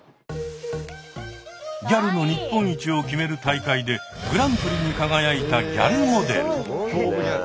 ギャルの日本一を決める大会でグランプリに輝いたギャルモデル。